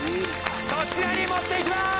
そちらに持っていきます！